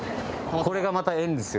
これがまた縁ですよ。